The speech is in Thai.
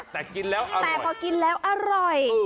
แต่กินแล้วแต่พอกินแล้วอร่อย